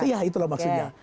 iya itulah maksudnya